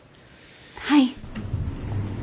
はい。